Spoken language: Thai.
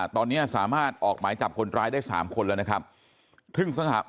ตอนนี้สามารถออกหมายจับคนร้ายได้๓คนแล้วนะครับ